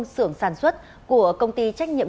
sưởng sản xuất của công ty trách nhiệm